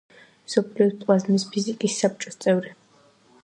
მსოფლიოს პლაზმის ფიზიკის საბჭოს წევრი.